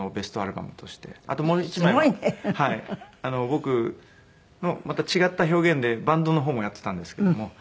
僕のまた違った表現でバンドの方もやってたんですけども。